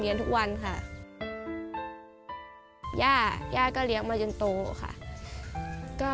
ผมตื่นเมื่อดีครับครับ